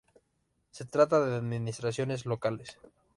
Se trata de administraciones locales.